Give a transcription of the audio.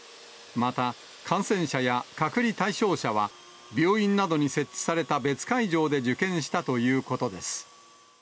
また、感染者や隔離対象者は、病院などに設置された別会場で受験したということです。